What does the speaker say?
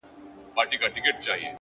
o زما کور ته چي راسي زه پر کور يمه ـ